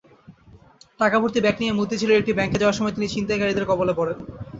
টাকাভর্তি bag নিয়ে মতিঝিলের একটি ব্যাংকে যাওয়ার সময় তিনি ছিনতাইকারীদের কবলে পড়েন।